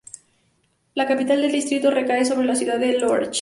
La capital del distrito recae sobre la ciudad de Lörrach.